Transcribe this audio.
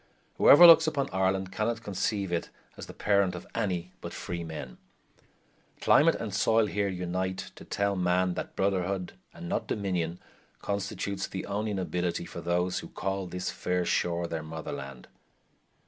Whoever looks upon Ireland cannot conceive it as the parent of any but freemen. Climate and soil here unite to tell man that brotherhood, and not domination, constitutes the only nobility for those who call this fair shore their motherland.